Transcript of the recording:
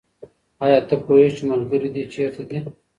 آیا ته پوهېږې چې ملګري دې چېرته دي؟